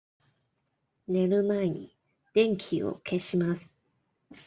寝る前に電気を消します。